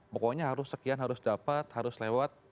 pokoknya harus sekian harus dapat harus lewat